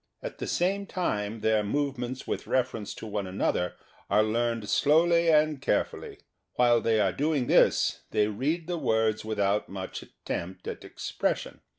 At the same time their movements with refer ence to one another are learned slowly and carefully. While they are doing this they read the words without much attempt at expression.